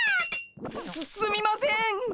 すすすみませんっ！